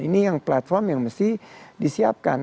ini yang platform yang mesti disiapkan